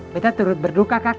bet turut berduka kakak